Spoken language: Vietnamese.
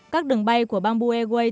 các đường bay của bamboo airways